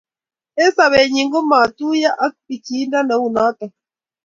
eng sobennyi komatuyo ak bichindo neu notok